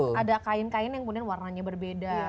ada kain kain yang kemudian warnanya berbeda